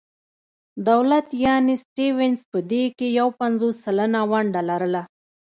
دولت یعنې سټیونز په دې کې یو پنځوس سلنه ونډه لرله.